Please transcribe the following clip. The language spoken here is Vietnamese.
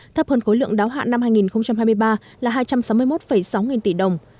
thấp hơn khối lượng đáo hạn năm hai nghìn hai mươi ba là hai trăm sáu mươi một sáu nghìn tỷ đồng